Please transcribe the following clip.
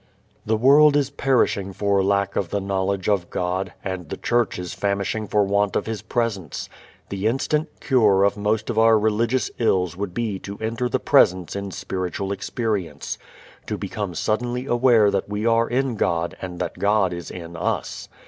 The world is perishing for lack of the knowledge of God and the Church is famishing for want of His Presence. The instant cure of most of our religious ills would be to enter the Presence in spiritual experience, to become suddenly aware that we are in God and that God is in us.